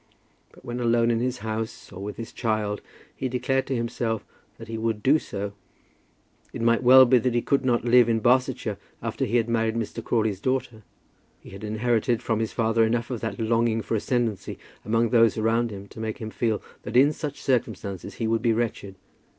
But when alone in his house, or with his child, he declared to himself that he would do so. It might well be that he could not live in Barsetshire after he had married Mr. Crawley's daughter. He had inherited from his father enough of that longing for ascendancy among those around him to make him feel that in such circumstances he would be wretched.